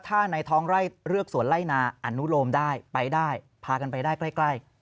ถ้าในท้องไร่เรือกสวนไล่นาอนุโลมได้ไปได้พากันไปได้ใกล้